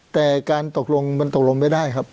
แต่การตกลงมันตกลงไม่ได้ครับ